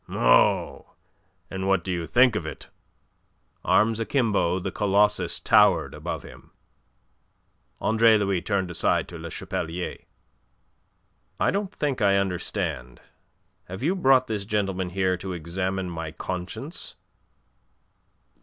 "Oh! And what do you think of it?" Arms akimbo, the Colossus towered above him. Andre Louis turned aside to Le Chapelier. "I don't think I understand. Have you brought this gentleman here to examine my conscience?"